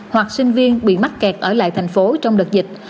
hoặc sinh viên bị mắc kẹt ở lại thành phố trong đợt dịch